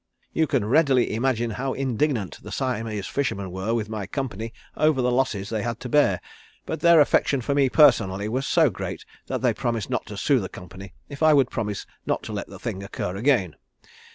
You can readily imagine how indignant the Siamese fishermen were with my company over the losses they had to bear, but their affection for me personally was so great that they promised not to sue the company if I would promise not to let the thing occur again.